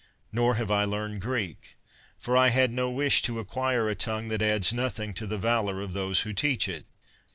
Nor have I learned Greek; for I had no wish to acquire a tongue that adds nothing to the valor of those who teach it.